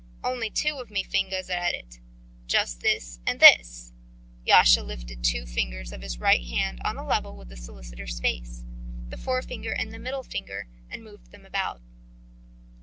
Only two of me fingers are at it just this and this." Yasha lifted two fingers of his right hand on a level with the solicitor's face, the forefinger and the middle finger and moved them about.